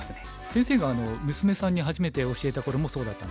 先生が娘さんに初めて教えた頃もそうだったんですか？